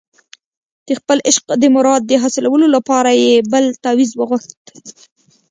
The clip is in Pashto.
د خپل عشق د مراد د حاصلولو لپاره یې بل تاویز وغوښت.